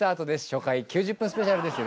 初回９０分スペシャルです。